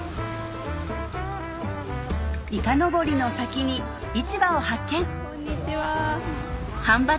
イカのぼりの先に市場を発見こんにちは。